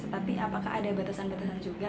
tapi apakah ada batasan batasan juga